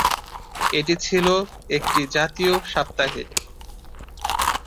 এটি ছিল একটি জাতীয় সাপ্তাহিক।